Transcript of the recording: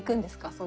その。